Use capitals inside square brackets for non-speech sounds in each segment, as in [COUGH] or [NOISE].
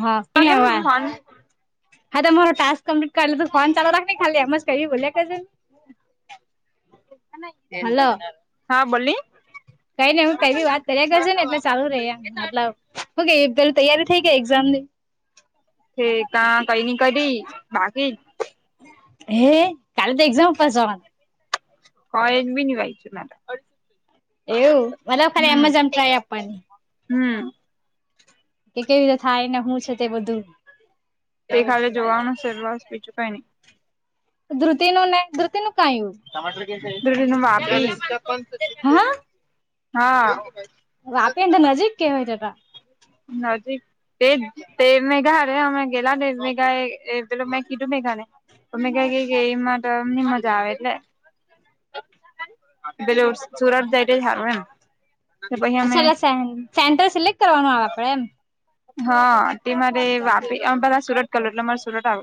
હા કે કેમ વાર ફોન હાતો મારો ટાસ્ક કમ્પ્લીટ કર લવ ટુ ફોન ચાલુ રાખની ખાલી એમજ કઈએ બોલ્યા કરજો હલો હા બોલી કઈ નઈ અવ કઈ બી વાત કર્યા કરશું ને એટલે ચાલુ રે મતલબ ઓકે પેલી તૈયારી થઈ ગયા એક્ઝામ ની હે કા કઈ ની કરી બાકી હે કાલ તો એક્ઝામ પર ઝવાનું કઈ બી નઈ રાખ્યું લા અડ એવું બનફર [INAUDIBLE] એમજ આમ ટ્રાઇ આપવાની હમ એ કેવી રીતે થાય ને તે બધું એ ખાલે જોવાનું શવાસ બીજું કઈ નહી ધ્રુતિનુંું ને ધુતીનુંું કઈ હા હા વાપી ને તો નજીક કેવાય તા નજીક તે તેર મેગા હરે્યા મે ગેલા દર મેગા એ પે મે કધું મેગાને તમે ક ક કે એમ માટે એમની મજા આવે એટલે પેલે સુરત જાયટ સારું એમ કે પછ અમે અચ્છા એટલે સેન્ટર સિલેક્ટ કરવાનું આવે આપડે એમ હા તે મારે વાપરી બધા સુરત કલું એટલે મારે સુરત આવ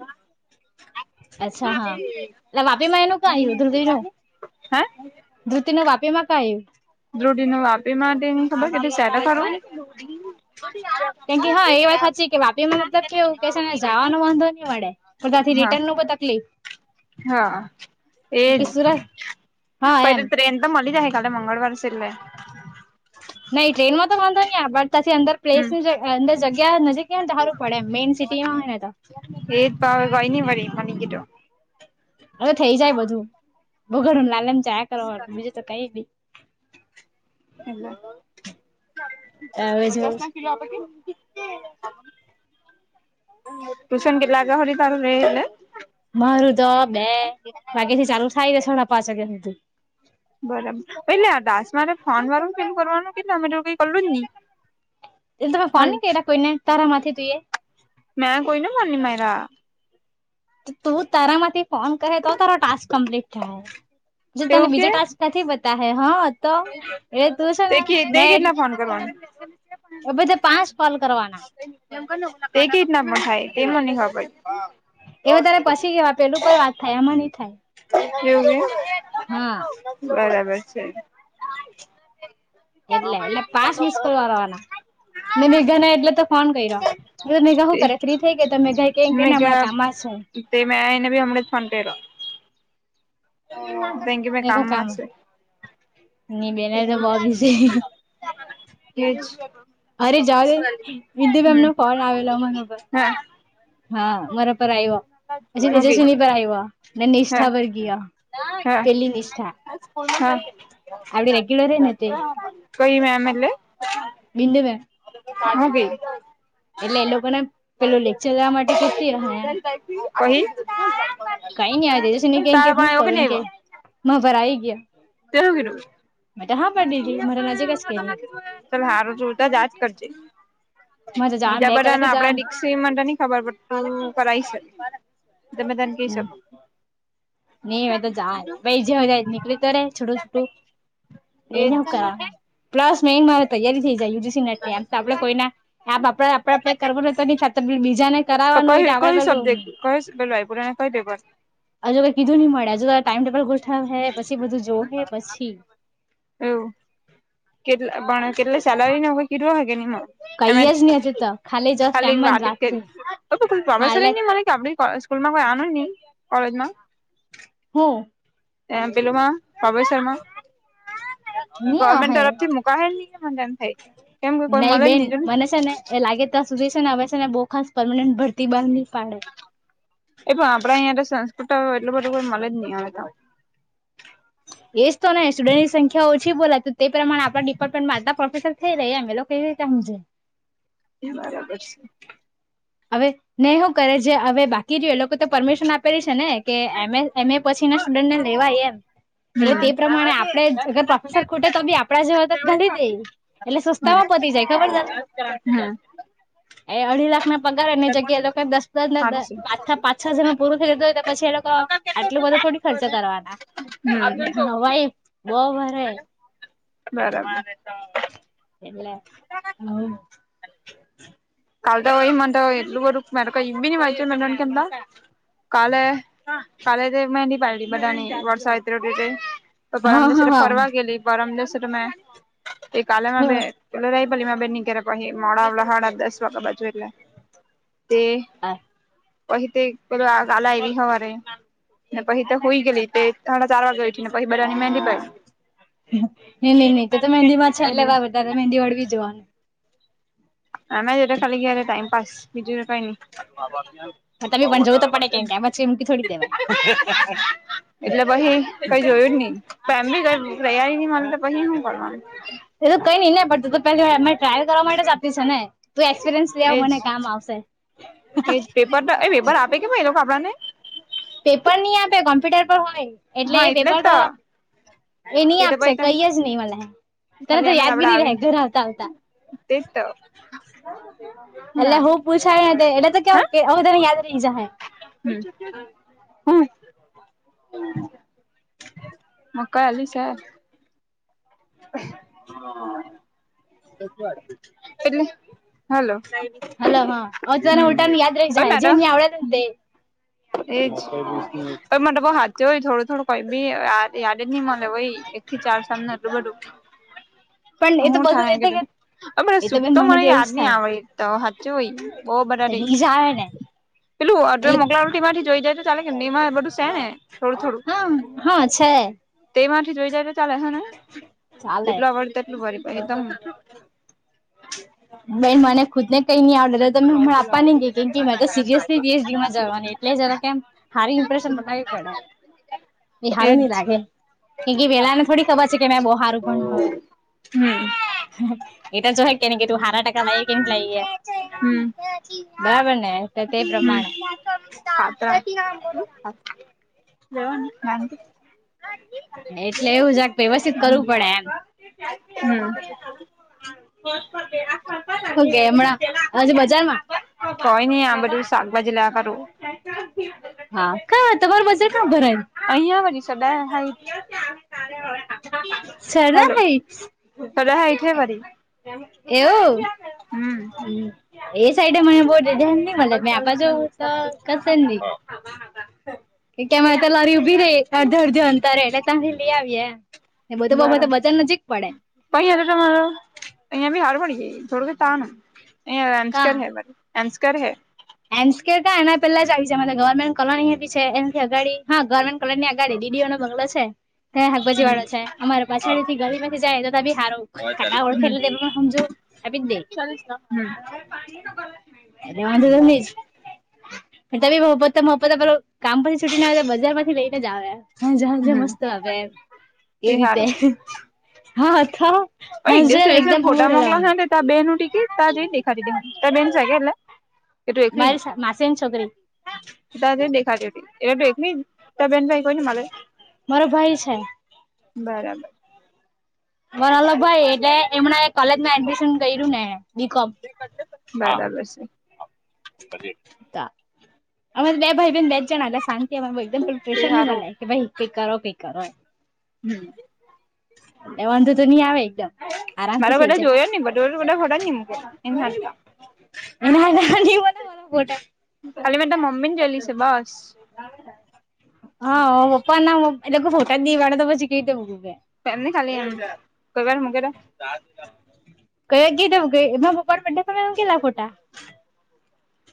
અચ્છા હા એટ વાપીમાં એનું કં ય ધુવી નું હે ધુતિતી ન વાપી માં ક આવ્યું ધ્રુઢ ન વાપી માટે ખબર કે સેટ કરો કેમ કે હા એ વાત સાચી કે વાપીમાં મતલબ કેવું કે છે ને જવાનો વાંધો નહી મળે પણ તથી હા રિટર્ન ન બ તકલીફ હા એજ કે સુરત હા એમ ટ્રેન તો મળી જાય કાલે મંગળવાર સલે નહી ટ્રેનમાં તો વાંધો નહીં પણટી અંદર હમ પ્લેસની અંદર જગ્યા નજીકને તારું પડેમ મેઈન સિટીમાં હોય ને તો એ પા ગઈ ન વારી મ ન ગટો હવે થઈ જાય બધું બગડ લાલમ ચાયા કરવા બીજું તો કઈ ની હવે ક જવું ટુશન કેટલા જાહરી તાર રહે એને મારું તો બે વાગ્યા થી ચાલુ થાય છે સાડા પાંચ વાગ્યા સુધી બરાબર એલે દાસ મારે ફોન વાર ફીલ કરવાનું કે તમે તોું કઈ કરલું જ નહી એલે તમે ફોન કર્યા કોઈને તારા માંથી જોઈએ મેં કોઈ ન બોની મા એરા તું તારા માંથી ફોન કરે તો તારો ટાસ્ક કમ્પ્લીટ થાય જે તને એવું બીજો કે ટાસ્ક નથી પતા હૈ હા તો એલે તું છે તે ને મે કેટલા [UNINTELLIGIBLE] એ બધે પાંચ કોલ કરવાના તે કેવી રીનામાં થાય તે મને ખબર એવે તારે પછી કેવા પેલું પણ વાત થાય આમાં નહી થાય એવ હ હા બરાબર છે [INAUDIBLE] એટલે એટલે પાસ મિસ કરવાવાના ને મેઘાના એટલે તો ફોન કર્યો મેઘા શું કરે ફ્રી થઈ ગ તો મેઘા કે કે ને હમં કામમાં છે તે મેં એને ભી હમણાં જ ફ પે ત કે ભ કામમાંસ ન બેના તો બ બીઝ એ જ અરે જાવ દે બિંદુ મેમ હમ નો ફોન આવેલો મારા પર હા હા મારા પર આવીવા પછી ઓકે તેજસ્વીની પરયવા અને હા નિષ્ઠા પર ગ હા પેલી નિષ્ઠા હા આપડી રેગ્યુલર હ ને તે કઈ મેમ એલ વિંદ મે હ ન બી એટલે એ લોકો ને પેલું લેક્ચર લેવા માટે કેતી હોમ તકી કહી તારા કઈ ન આ દેદી સુને પણ ગયા હું આવ્યો કે કરું નહી આવ્યો વ ભરાઈ ગયા તે ગનું મેં તો હા પાડી દીધી મારા નજીક જ કે ચ હારું જો તો જ આજ કરજે મારે તો જવાનું બીજા બે કલાક બધાને જ આપડાે જવાનું રીક્ષા શ્રીમંતની ખબર પત કરઈ સ તમે તેનકી સ નહીં મે તો જાય પછ જવ દ નહી ત છટ છોટું એજ એ પ્લસ મેન મા તૈયારી થઈ જાય યુજીસીટ ની એમ તો આપણે કોઈ આમ આપ કર્ તો ન થ બીજાને કરાવવાનું હોય આપડે પેલું કઈ વાયપુરા કઈ લેબર હજુ કઈ કીધું નહી મળે હજુ ત ટાઈમ ટેબલ ગોઠવે પછી બધું જો હ પછી હ કેટલા પણ કેટલા સેલરી ન કીધું હો કે ન એમે કઈ જ નહી હજુ તો જસ્ટ એમ ખાલી વા જ વાત થઈ કરી ઓ કોઈ ભરાસર હાલે ને મને કે આપણે સ્કૂલમાં કોઈ આનું કોલેજમાં હ એ પેલમાં પ્રભ શર્મા [INAUDIBLE] ગવર્મેન્ટ અહે તરફ થી મુકાયેલઈ મનેમ થાય કેમ કે કોઈ નહી મ બેન જો મને એ છે ને એ લાગે ત્યાં સુધી છે ને આવે છે ને બહુ ખાસ પરમનન્ટ ભરતી બહાર નહી પાડે એ પણ આપણા અહં સંસ્કૃત એટલું બધું કો મળે જ નહીં આવે એજ તો નહી સ્ટુડન્ટની સંખ્યા ઓછી બોલા તો તે પ્રમાણે આપણા ડિપાર્ટમેન્ટમાં આટલા પ્રોફેસર થ લ આમે લોકોકઈવી કાહું છેે બરાબર છે હવે નેહું કરે છે હવે બાકી રહ લોકો તો પરમિશન આપેલી છે ને કે એમ એ પછી ના સ્ટુડન્ટને લેવાય એમ હમ એટલે તે હારું પ્રમાણે આપડે અગર છે પ્રોફેસર ખૂટે તો બી આપડા જે ગણી દે એટલે સસ્તામાં પતી જાય ખબર તને એ અઢી લાખ ના પગાર એની જગ્યા એ લોકોને દસ દસ ના પા પાંચ છ હજાર ન પૂરું થઈ જતું હોય પછી એ લોકો આટલું બધું થોડી ખર્ચ કરવાના હા ભાઈ બહ ભર બરાબર એલે હ કાલદવાય મ એટલું બર મરઈ બીની વાયચ મના કેમ કાલ કાલ તો મની પાડી બધનીટિટેલ હા હા પરમલે્વર હા ફરવા ગેલી પરમલેેશ્વરમાં એક કલેમાં બે પેલો રહી ભલી માં બેન નીક પછ મોડાડા હડા દસ વાગ્યા બાજુ એટલે તે પછ તે પેલા એ ર હવા ર પછી તો હોય ગેલી થાડા ચાર વાગે પી બાની મંદી ભાઈ તા મહેંદી વળવી જોવાનું હમે જે ખાલી ગ હ ટાઈમ પા બીજું કાય હમાં તમે પણ જવું તો પડે કેમ કે પછી એમકી થોડી દેવાય એટલે પછ કઈ જોયું જ નહી ફમી તૈયારી ન મા વહી હું બ એ તો કઈ નઈ ને પણ તો પે અ ટ્રાવેલ કરવા માટે જ આપ્યું છે ને તું એક્સપિરિયન્સ લેવ એજ મને કામ આવશે કેું એ લોકો ભભડાને પેપર નહી આપે કોમ્પ્યુટર પર હોય એટલે એ પેપર તો- - એ નહી તે તો આપશે પહી કઈ તને જ નહી મને તને ખાલી તો એમ જ યાદ બી આપડે નહી રહે આવીને ઘર આવતા આવતા. તેજ તો. એટલે હું પૂછાય એટલે તો કે હું તને યાદ રહી જા હૈ. હા. મકાઈ લી છે. એટલે- - હલો હલો હા હવે હ તને ઉલટાનું યાદ રહી મેડમ- જાય જેને આવડે ને તે - એજ મ બ હા હોય થોડું થોડું કી- - યાદ જ નહી મળે હોય એક થી ચાર સાલમા એટલું બધું- - પણ એ તો બસુ જ કે- - હ સુખ તો મને યાદ નહી આવડ તો સાચું હોય બહુ બધારે. નીજ આવે ને બટું એટલે મોકલાવેલુ. માંથી જોઈ જાય તો ચાલે કે નિમા બધું છે ને થોડું થોડું- હા હા છે - તે માથી જોઈ જાય છે. ચાલે હ ને ચાલે જેટલું આવડ તેટલું ફરી પદમ- - બે મને ખુદને કઈ ન આવડર તો આપા નહી ગ કે કે મે તો સીરયસ- - દસ દીમાં જવાની- - પ્લે જરા કેમ હારી ઇમ્પ્રેશન બનાવવી પડે એ હારું એજ ની લાગે. એ વલા- - થોડી ખબર છે કે મે બહ હારું પણ હ હમ એ તો જો કે કે તું હારા- - [UNINTELLIGIBLE] બરાબર ને તો મ તે પ્રમાણે કર જવ- - એટલે એવું જાગ વ્યવસ્થિત કરવું પડે એમ- - હુ કે હમણાં- - હ બજાર માં. હા કોઈ નઈ આ બધું શાકભાજી લેવા કરું કા તમાર મજાર કયા ભરાઇ. અહીયા વરી સકાય. હલો સરર- સદા હાઈટ હે વરી - એવું? હમ. હ એ સાઈડ મને બ- - મ મેપ ઓગણચાલીસ જવ ના મિક્સ તો આપી કસ કે તો લારી- - ર અડધો અડધો અંતરરે એટલે ત્યાંથી લઈ આવીએે બધો બ મ તો બચન નજીક પડે. પહી એ તો અહીયાી હાર બડી ગઈ થોડી ત- - અ અન્સ્કર હૈ બ અંસ્કર હૈ. એન્ સ્ ક એના પેલા જ આવી છે ગવર્મેન્ટ કોલોની હતી છે એનાથી અગાડી હા ગવર્મેન્ટ- - કલર ની આ ગાડી દીડીઓો બંગલો છે ત્યાં હાકભજી વાળો છે અમારે પાછાડી થી ગાડી- - જાય એ ત ત આવીિ હારોું કાકા ઘર ખે ત હમ સમજું તભિત દે- - ચાલીસ હમ. ર વાંધ ધજ- - તમે પો પો પેલો કામ પરછથી છૂટી ના આવે તો બજાર માંથી લઈને જ આવેયા. હાજ હાજ હમ મસ્ત તે હારું [INAUDIBLE] ઓ એક હસન દસે એકદમ હમું ફોટા મગલા રહેેવાનું થ ત બેનનું ટિકી [INAUDIBLE] તા બેન છે એલા કે તું એકલી? મારી માસીની છોકરી તાર જેવી જ દેખાતી [UNINTELLIGIBLE] મારો ભાઈ છે. બરાબર. વરલ ભાઈ એટલે એમણા કોલેજમાં એડમિશન કર્યું ને બીકોમ. બરાબર શે. અમારે બે ભાઈ બેન બે જણા હતા શા એ એક્ઝામ્પલ તે પ્રેશર નની હારું મળે કે ભાઈ કઈ કરો કઈ કરો હમ એ વાંધો તો નહી આવે એકદમ આરામથી મારા થઈ બધા જાય જોયા [UNINTELLIGIBLE] [INAUDIBLE] ફોટા ખાલી મે તાર મમ્મીને જોયલી છે બસ હા પપ્પા ના એ લોકો ફોટા ની પાડે તો પછી [INAUDIBLE] [UNINTELLIGIBLE] [INAUDIBLE] મારા પપ્પા ના બર્થડે પર મૂકેલા ફોટા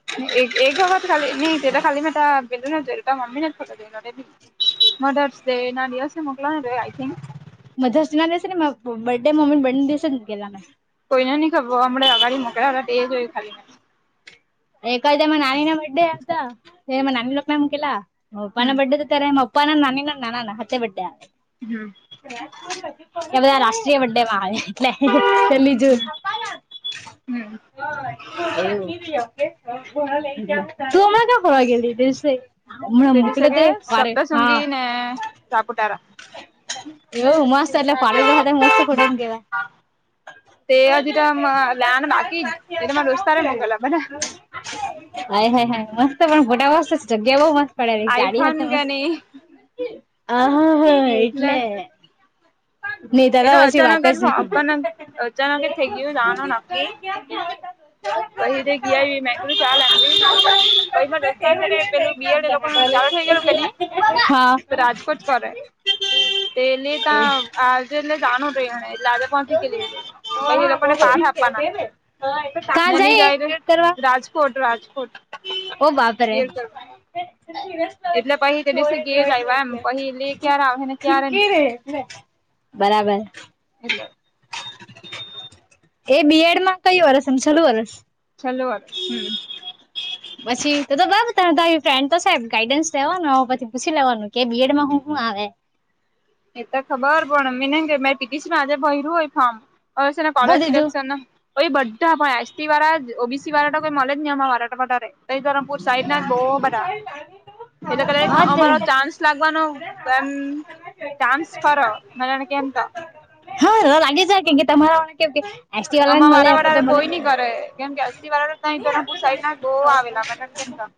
[INAUDIBLE] મધર્સ ડે ના દિવસે મૂકેલા [INAUDIBLE] મધર્સ ડે ના દિવસે નહીં બર્થ ડે ના મમ્મી ના [INAUDIBLE] કોઈને ન ખબર હમણાં અગાડી મોક્યા હતા એ જોય ખાલી [UNINTELLIGIBLE] પપા નાના હમ નાની ના [INAUDIBLE] હમ [UNINTELLIGIBLE] એ બધા રાષ્ટ્રીય બડ ડે માં આવે એટલે પેલી જૂ હમ [UNINTELLIGIBLE] [UNINTELLIGIBLE] [INAUDIBLE] કે મોકલે તે વારે હા સપ્તસૃંગી ને સાપુતારા એવ મસ્ત એટલે પાડોલો સાથે મસ્ત ફોટા મૂકેલા [UNINTELLIGIBLE] [UNINTELLIGIBLE] પડે ગાડી આઈફોન હાથે કે નહી મસ્ત આ હા હા એટલે નહી એ તો પછી વાત અચાનક જ નહી. અચાનક જ થઈ ગયું જવાનું નક્કી પછ તો [UNINTELLIGIBLE] દોસ્તા ને પેલું બિયર એ લોકો ન ચાલુ થઈ ગયલું કે [UNINTELLIGIBLE] તો રાજકોટ કરે [UNINTELLIGIBLE] એ. પછી એ લોકોને પાઠ આપવાના [UNINTELLIGIBLE] કોટ રાજકોટ ઓ બાપરે બીએડ કરવા એટલે પહી તે દિવસે ઘેર જ આવ્યા એમ પહી લે ક્યારે આવે ને ક્યારે ની [UNINTELLIGIBLE] બરાબર એટલે એ બી એડમાં કયું વર્ષ એમ છેલ્લું વર્ષ? છેલ્લું વર્ષ પછી તો તો [INAUDIBLE] ફ્રેન્ડ તો સાહેબ ગાઈડન્સ લેવાનું પછી પૂછી લેવાનું કે બીએડમા હું હું આવે? એ તો ખબર [INAUDIBLE] આજે ભયર્યું હોય ફોર્મ કોલે ભર દીધું. સિલેક્શન કોઈ બધા પણ એસ ટી વાળા ઓ બી સી વાળા તો કોઈ મોલેજ નહી અ વાળારે. ધરમપુર સાઈડ ના જ બહુ બધા એટલે કદ હા તે. અમારો ચાન્સ લાગવાનો ચાન્સ ખરો મેં તને કેમ તો હા લાગી જાય કે તમારા કે કે એસટી વાળાને આમાં મળે વારા એમને તો વાળારે મળે જ કોઈ નઈ ને. કરે કેમ કે એસ. ટી વાળા ધરપુર સાઈડ ના બો આવેલા કેમ આ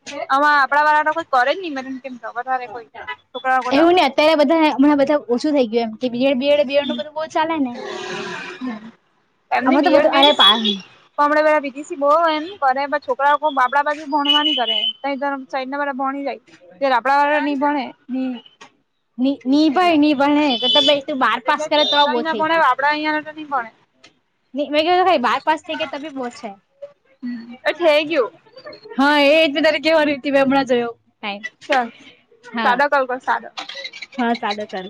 આપડા વાળા ન કોઈ કરે જ નહી મનેને કેમ તો વધારે કોઈ છોકરા લોકો એવું ને અત્યારે બધા હણાં બધા ઓછું થઈ ગયું એમ બડ બડ દેવ નું તો બધું બહું ચાલે ને અમે તો બધું અરે પ હમને પેલા પી ટી સી બહુ એમ કરે છોકરાઓ બાબડા બાજુ ભણવા ન કરે સાઈડ ના બધા ભણી જાય ત જ્યારે આપડા વાળા નઈ ભણે ની ભણે ની ભણે તો તમે તાર બાર પાસ કરે તો બહુ થઈ ગયું. છોકરા અહીં આગળ તો નહી ભણે નિકળી ગયું હોઈ બાર પાસ થાઈ ગયું તો બોવ છે. એ થઈ ગયું હા એ જ તારે હમણાં જોયો ટાઈમ ચલ હા સાદો કોલ કર સાદો. હા સાદો કરું